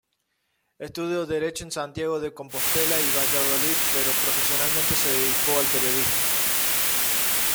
Estudió Derecho en Santiago de Compostela y Valladolid, pero profesionalmente se dedicó al periodismo.